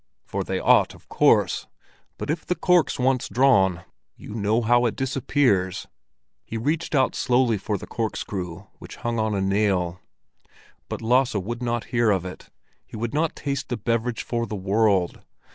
"For they ought, of course. But if the cork's once drawn, you know how it disappears." He reached out slowly for the corkscrew which hung on a nail. But Lasse would not hear of it; he would not taste the beverage for the world.